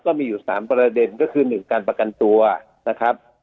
ก็มีอยู่๓ประเด็นก็คือ๑การประกันตัวนะครับ